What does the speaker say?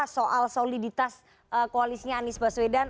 soal soliditas koalisnya anies baswedan